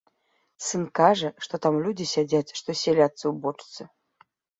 Сын кажа, што там людзі сядзяць, што селядцы ў бочцы.